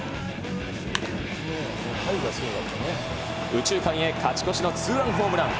右中間へ勝ち越しのツーランホームラン。